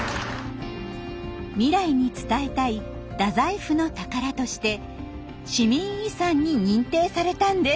未来に伝えたい太宰府の宝として「市民遺産」に認定されたんです。